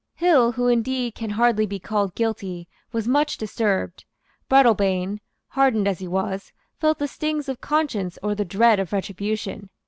Hill, who indeed can hardly be called guilty, was much disturbed. Breadalbane, hardened as he was, felt the stings of conscience or the dread of retribution.